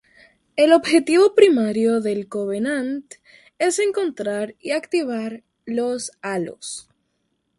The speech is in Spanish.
El objetivo primario del Covenant es encontrar y activar los "Halos".